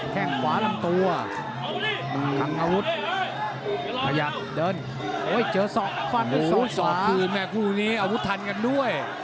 แทงขวาลำตัว